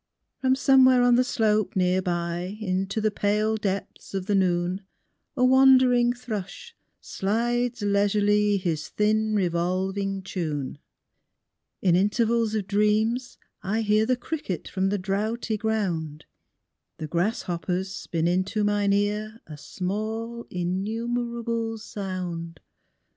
From somewhere on the slope near by Into the pale depths of the noon A wandering thrush slides leisurely His thin revolving tune. In intervals of dreams I hear The cricket from the droughty ground; The grasshoppers spin into mine ear A small innumerable sound.